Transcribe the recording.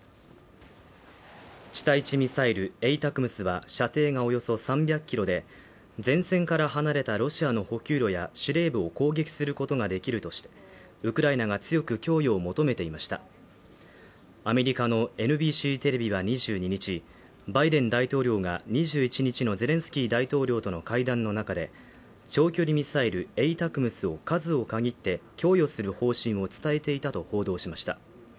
地対地ミサイルＡＴＡＣＭＳは射程がおよそ３００ｋｍで前線から離れたロシアの補給路や司令部を攻撃することができるとしてウクライナが強く供与を求めていましたアメリカのＮＢＣテレビは２２日バイデン大統領が２１日のゼレンスキー大統領との会談の中で長距離ミサイルＡＴＡＣＭＳは数を限って供与する方針を伝えていたと報道しました